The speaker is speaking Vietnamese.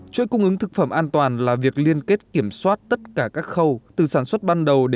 chuỗi cung ứng thực phẩm an toàn là việc liên kết kiểm soát tất cả các khâu từ sản xuất ban đầu